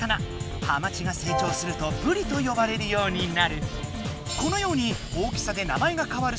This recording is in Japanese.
ハマチがせい長するとブリとよばれるようになる。